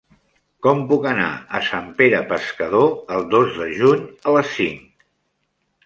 Com puc anar a Sant Pere Pescador el dos de juny a les cinc?